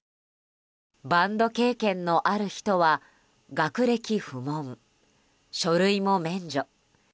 バンド経験のある人は学歴不問、書類も免除。